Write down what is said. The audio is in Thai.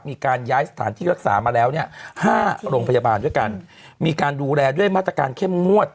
มีการย้ายสถานที่รักษามาแล้วเนี่ยห้าโรงพยาบาลด้วยกันมีการดูแลด้วยมาตรการเข้มงวด